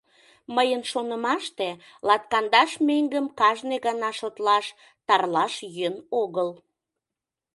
Мыйын шонымаште, латкандаш меҥгым кажне гана шотлаш, тарлаш йӧн огыл.